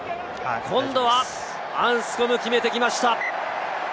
今度はアンスコム、決めてきました！